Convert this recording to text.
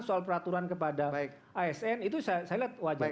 soal peraturan kepada asn itu saya lihat wajar